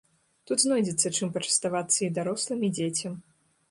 Тут знойдзецца, чым пачаставацца і дарослым, і дзецям.